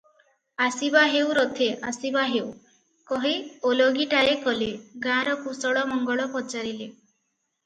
"ଆସିବା ହେଉ ରଥେ, ଆସିବା ହେଉ, "କହି ଓଳଗିଟାଏ କଲେ ।ଗାଁର କୁଶଳ ମଙ୍ଗଳ ପଚାରିଲେ ।